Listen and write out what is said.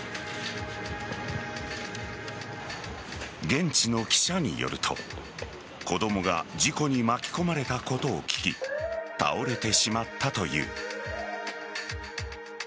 現地の記者によると子供が事故に巻き込まれたことを聞き倒れてしまったという。